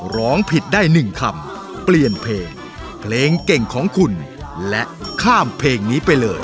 ร้องผิดได้หนึ่งคำเปลี่ยนเพลงเพลงเก่งของคุณและข้ามเพลงนี้ไปเลย